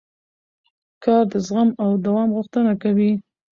کار د زغم او دوام غوښتنه کوي